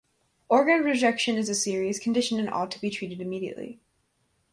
Organ rejection is a serious condition and ought to be treated immediately.